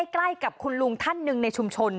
ใกล้กับคุณลุงท่านหนึ่งในชุมชน